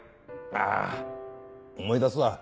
あぁ思い出すわ。